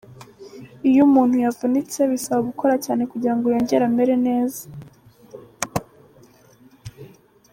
Iyo umuntu yavunitse, bisaba gukora cyane kugirango yongere amere neza.